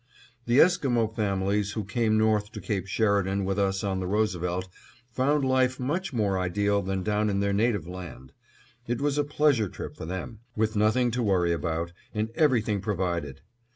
The Esquimo families who came north to Cape Sheridan with us on the Roosevelt found life much more ideal than down in their native land. It was a pleasure trip for them, with nothing to worry about, and everything provided.